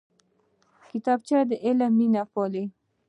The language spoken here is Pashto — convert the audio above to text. کتابچه د علم مینه پالي